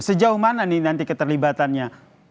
sejauh mana nih nanti keterlibatannya